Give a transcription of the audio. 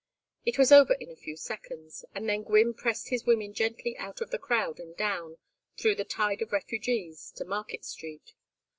It was over in a few seconds, and then Gwynne pressed his women gently out of the crowd and down, through the tide of refugees, to Market Street.